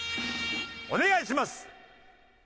お願いします！